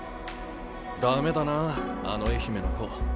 駄目だなあの愛媛の子。